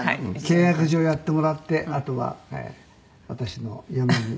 「契約上やってもらってあとは私の嫁に」